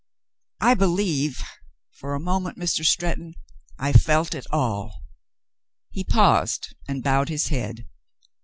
I believe, for a moment, Mr. Stretton, I felt it all." He paused and bowed his head.